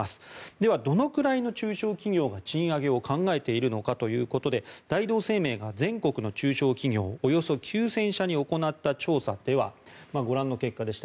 では、どのくらいの中小企業が賃上げを考えているのかということで大同生命が全国の中小企業およそ９０００社に行った調査ではご覧の結果でした。